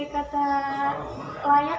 fasilitasnya menurut saya